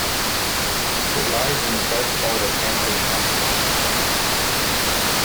It lies in the south part of Hampton Township.